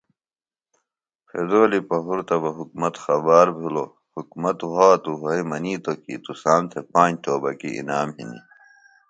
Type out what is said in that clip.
پھِدولی پہُرتہ بہ حکُومت خبار بھِلوۡ حکُومت وھاتوۡ وھئیۡ منِیتوۡ کیۡ تُسام تھےۡ پانج توبکیۡ انعام ہنیۡ